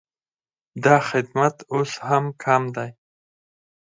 دا خدمت اوس هم کم دی